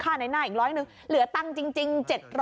ในหน้าอีกร้อยหนึ่งเหลือตังค์จริง๗๐๐